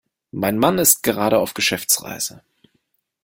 Mein Mann ist gerade auf Geschäftsreise.